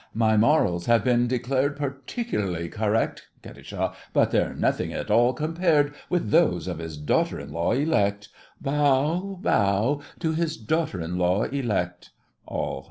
My morals have been declared Particularly correct; KAT. But they're nothing at all, compared With those of his daughter in law elect! Bow—Bow— To his daughter in law elect! ALL.